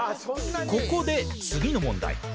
ここで次の問題。